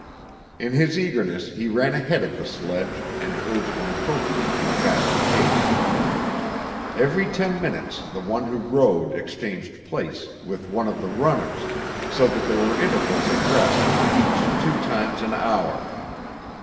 In his eagerness he ran ahead of the sledge and urged Mukoki into a faster pace. Every ten minutes the one who rode exchanged place with one of the runners, so that there were intervals of rest for each two times an hour.